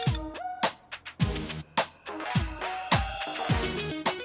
สุดท้าย